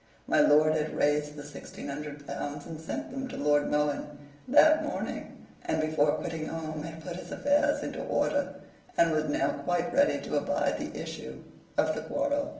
My lord had raised the sixteen hundred pounds and sent them to Lord Mohun that morning, and before quitting home had put his affairs into order, and was now quite ready to abide the issue of the quarrel.